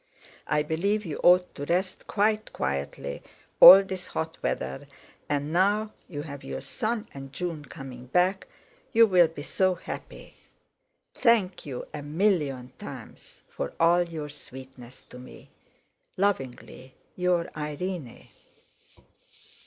I believe you ought to rest quite quietly all this hot weather, and now you have your son and June coming back you will be so happy. Thank you a million times for all your sweetness to me. "Lovingly your IRENE."